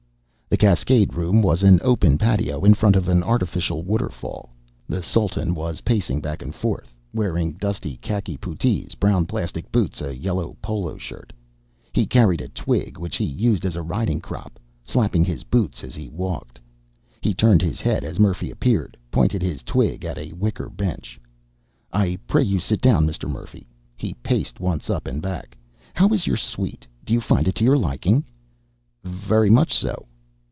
The Cascade Room was an open patio in front of an artificial waterfall. The Sultan was pacing back and forth, wearing dusty khaki puttees, brown plastic boots, a yellow polo shirt. He carried a twig which he used as a riding crop, slapping his boots as he walked. He turned his head as Murphy appeared, pointed his twig at a wicker bench. "I pray you sit down, Mr. Murphy." He paced once up and back. "How is your suite? You find it to your liking?" "Very much so."